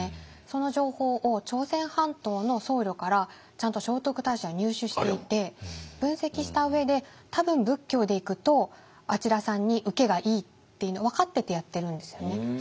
その情報を朝鮮半島の僧侶からちゃんと聖徳太子は入手していて分析した上で多分仏教でいくとあちらさんにウケがいいっていうの分かっててやってるんですよね。